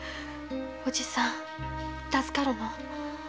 おじさん助かるの？